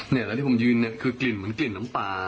แล้วที่ผมยืนเนี่ยคือกลิ่นเหมือนกลิ่นน้ำปลา